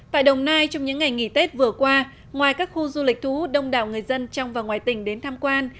tại đồng nai trong những ngày nghỉ tết vừa qua ngoài các khu du lịch thu hút đông đảo người dân trong và ngoài tỉnh đến tham quan